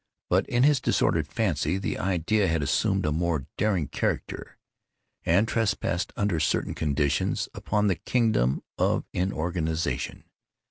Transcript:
But, in his disordered fancy, the idea had assumed a more daring character, and trespassed, under certain conditions, upon the kingdom of inorganization.